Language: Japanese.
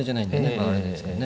まああれですけどね。